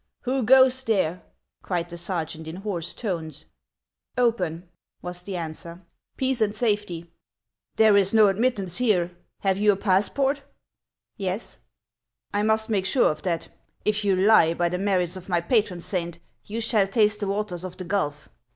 " Who goes there ?" cried the sergeant in hoarse tones. " Open !" was the answer ;" peace and safety." " There is no admittance here. Have you a passport \"" Yes." " I must make sure of that. If you lie, by the merits of my patron saint, you shall taste the waters of the gulf